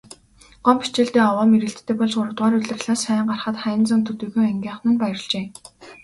Гомбо хичээлдээ овоо мэрийлттэй болж гуравдугаар улирлаар сайн гарахад Хайнзан төдийгүй ангийнхан нь баярлажээ.